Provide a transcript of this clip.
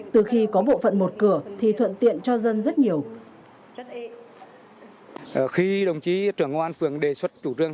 từ khi có bộ phận một cửa thì thuận tiện cho dân rất nhiều